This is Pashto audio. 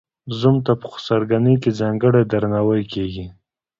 زوم ته په خسرګنۍ کې ځانګړی درناوی کیږي.